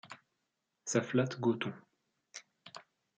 Ça flatte Goton.